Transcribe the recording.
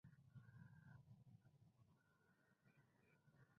The village is populated by Kurds.